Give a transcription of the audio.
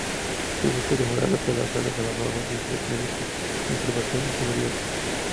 Se buscó además adaptar las salas a las normas internacionales de conservación y seguridad.